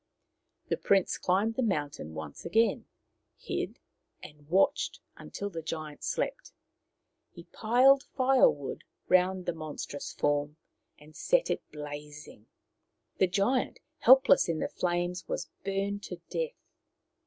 ,, The prince climbed the mountain once again, hid, and watched until the giant slept. He piled firewood round the monstrous form, and set it blazing. The giant, helpless in the flames, was burned to death.